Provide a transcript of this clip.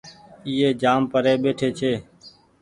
ايئي جآم پري ٻيٽي ڇي